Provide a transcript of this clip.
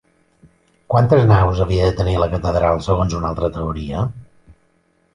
Quantes naus havia de tenir la catedral segons una altra teoria?